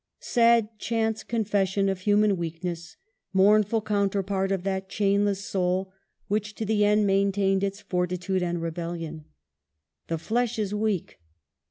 Sad, chance confession of human weakness ; mournful coun terpart of that chainless soul which to the end EMILY'S DEATH. 307 maintained its fortitude and rebellion. The flesh is weak.